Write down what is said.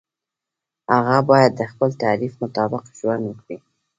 هغه باید د خپل تعریف مطابق ژوند وکړي.